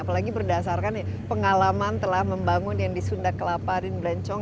apalagi berdasarkan pengalaman telah membangun yang di sunda kelapa dan blencong